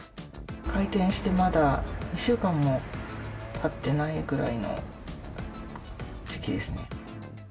開店してまだ２週間もたってないぐらいの時期ですね。